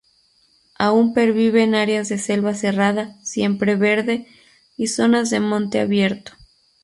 Aún perviven áreas de selva cerrada siempre verde, y zonas de monte abierto.